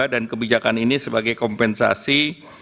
dan kebijakan ini sebagai kompensasi